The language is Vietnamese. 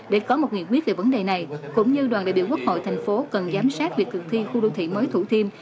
để kiểm soát việc thực thi khu đô thị mới thủ thiêm